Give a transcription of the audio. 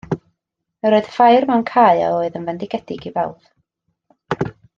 Yr oedd ffair mewn cae a oedd yn fendigedig i bawb